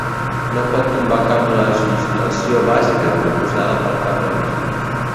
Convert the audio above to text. No pot tombar cap legislació bàsica proposada pel Parlament.